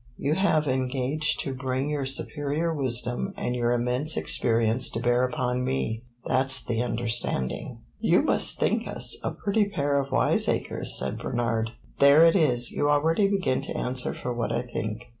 You have engaged to bring your superior wisdom and your immense experience to bear upon me! That 's the understanding." "You must think us a pretty pair of wiseacres," said Bernard. "There it is you already begin to answer for what I think.